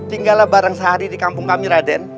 tinggalah bareng sehari di kampung kami raden